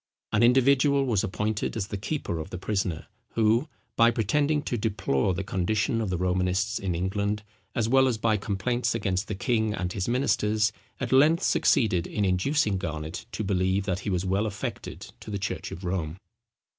An individual was appointed as the keeper of the prisoner, who, by pretending to deplore the condition of the Romanists in England, as well as by complaints against the king and his ministers, at length succeeded in inducing Garnet to believe that he was well affected to the church of Rome.